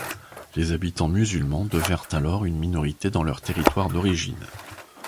Les habitants musulmans devinrent alors une minorité dans leur territoire d’origine.